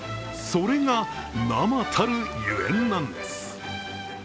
それが「生」たるゆえんなんです。